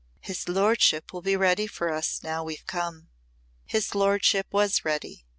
"His lordship will be ready for us now we've come." His lordship was ready.